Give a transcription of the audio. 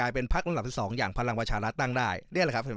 เป็นภักดิ์สิบสองอย่างพลังประชาราชตั้งได้เนี้ยแหละครับ